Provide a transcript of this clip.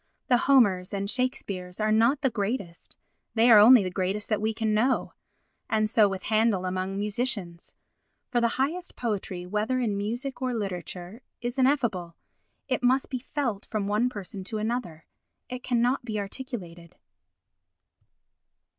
The Homers and Shakespeares are not the greatest—they are only the greatest that we can know. And so with Handel among musicians. For the highest poetry, whether in music or literature, is ineffable—it must be felt from one person to another, it cannot be articulated.